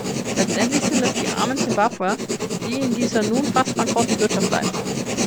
Letztendlich sind es die armen Simbabwer, die in dieser nun fast bankrotten Wirtschaft leiden.